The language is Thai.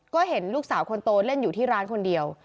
ก็เห็นลูกสาวคนโตเล่นอยู่ที่ร้านคนเดียว